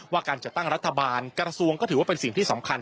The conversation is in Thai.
การจัดตั้งรัฐบาลกระทรวงก็ถือว่าเป็นสิ่งที่สำคัญ